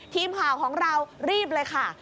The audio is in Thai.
ทีมข่าวของเรารีบเลยค่ะ